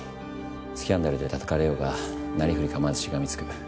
スキャンダルでたたかれようがなりふり構わずしがみつく。